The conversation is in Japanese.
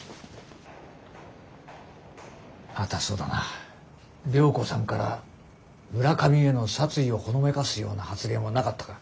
あとはそうだな涼子さんから村上への殺意をほのめかすような発言はなかったか？